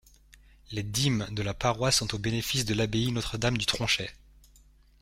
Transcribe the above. Les dîmes de la paroisse sont au bénéfice de l'abbaye Notre-Dame du Tronchet.